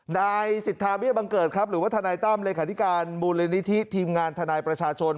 นายสิทธาเบี้ยบังเกิดครับหรือว่าทนายตั้มเลขาธิการมูลนิธิทีมงานทนายประชาชน